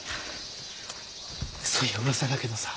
そういやうわさだけどさ